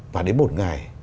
và đến một ngày